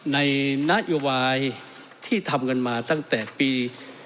ในนโยบายที่ทำกันมาตั้งแต่ปี